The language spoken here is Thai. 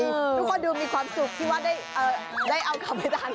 ทุกคนดูมีความสุขคิดว่าได้เอาของเพชรก่อน